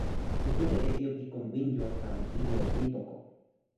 mi kute e ijo pi kon Winjo tan ijo Nitoko.